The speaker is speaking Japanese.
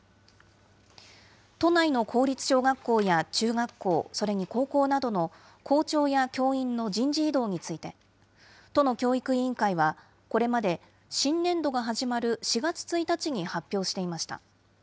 都内の公立小学校や中学校、それに高校などの校長や教員の人事異動について、都の教育委員会は、これまで新年度が始まる４月１日に発表していました。